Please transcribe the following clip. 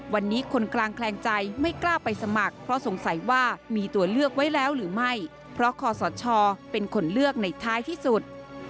วันนี้คนกลางแคลงใจไม่กล้าไปสมัครเพราะสงสัยว่ามีตัวเลือกไว้แล้วหรือไม่เพราะคอสชเป็นคนเลือกในท้ายที่สุด